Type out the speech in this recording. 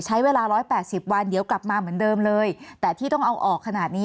ใช้เวลาร้อยแปดสิบวันเดี๋ยวกลับมาเหมือนเดิมเลยแต่ที่ต้องเอาออกขนาดนี้